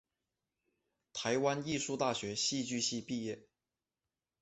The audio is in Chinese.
台湾艺术大学戏剧系毕业。